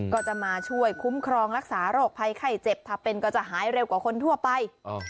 ก็จะมาช่วยคุ้มครองรักษาโรคภัยไข้เจ็บถ้าเป็นก็จะหายเร็วกว่าคนทั่วไป